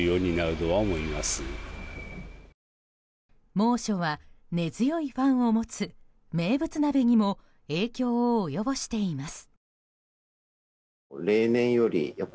猛暑は根強いファンを持つ名物鍋にも影響を及ぼしています。